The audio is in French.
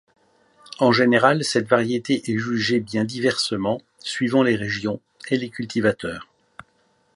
En général, cette variété est jugée bien diversement, suivant les régions et les cultivateurs.